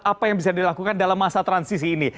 apa yang bisa dilakukan dalam masa transisi ini